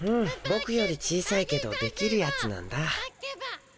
ボクより小さいけどできるやつなんだ。